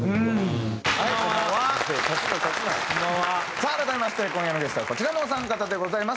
さあ改めまして今夜のゲストはこちらのお三方でございます。